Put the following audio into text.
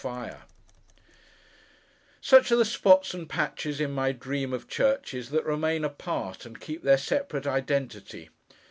[Picture: In the Catacombs] Such are the spots and patches in my dream of churches, that remain apart, and keep their separate identity.